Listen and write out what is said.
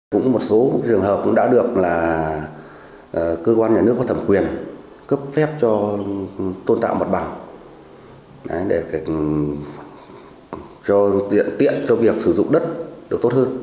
cũng một số trường hợp cũng đã được là cơ quan nhà nước có thẩm quyền cấp phép cho tôn tạo mặt bằng để tiện cho việc sử dụng đất được tốt hơn